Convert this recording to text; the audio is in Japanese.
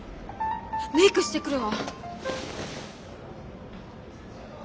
メイクしてくるわ。